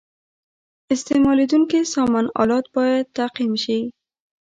استعمالیدونکي سامان آلات باید تعقیم شي.